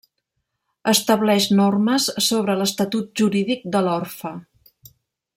Estableix normes sobre l'estatut jurídic de l'orfe.